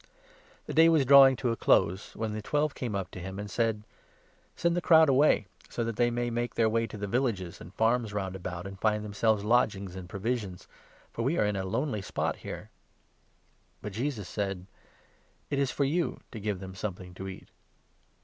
The day was draw 12 ing to a close, when the Twelve came up to him, Jesus feeds j • j . flve thousand and said . by the Lake Send the crowd away, so that they may make of Galilee, their way to the villages and farms round about, and find themselves lodgings and provisions, for we are in a lonely spot here." But Jesus said :" It is for you to give them something to 13 eat."